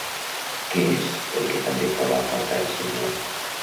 Què és el que també troba a faltar el senyor?